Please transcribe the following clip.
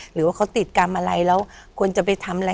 หรือว่าเขาติดกรรมอะไรแล้วควรจะไปทำอะไร